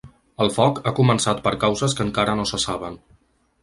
El foc ha començat per causes que encara no se saben.